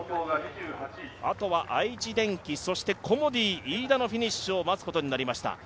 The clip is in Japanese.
あとは愛知電機、そしてコモディイイダのフィニッシュを待つことになりました。